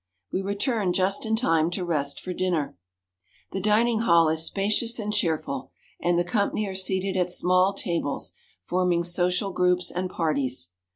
We returned just in time to rest for dinner. The dining hall is spacious and cheerful; and the company are seated at small tables, forming social groups and parties.